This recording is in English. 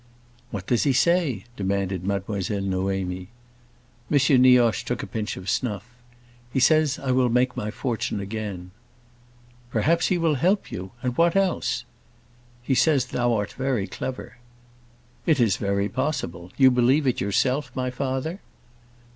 "What does he say?" demanded Mademoiselle Noémie. M. Nioche took a pinch of snuff. "He says I will make my fortune again." "Perhaps he will help you. And what else?" "He says thou art very clever." "It is very possible. You believe it yourself, my father?"